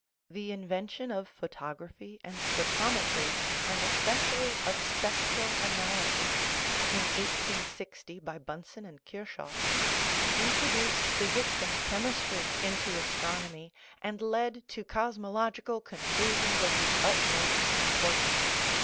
The invention of photography and photome try, and especially of spectral analysis (in 1860 by Bunsen and Kirchoff), introduced physics and chem istry into astronomy and led to cosmological conclu sions of the utmost importance.